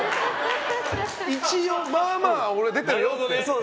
一応まあまあ俺出ているよって。